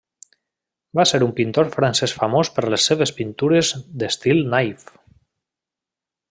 Va ser un pintor francès famós per les seves pintures d'estil naïf.